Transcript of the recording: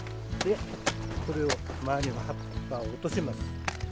周りの葉っぱを落とします。